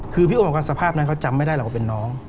คือพี่โอบอกว่าสภาพนั้นเขาจำไม่ได้หรอกว่าเป็นน้อง